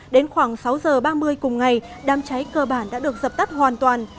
đến khoảng sáu giờ ba mươi cùng ngày đám cháy cơ bản đã được dập tắt hoàn toàn